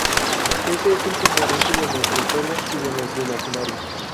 Ese es un componente de nuestra historia y de nuestro imaginario.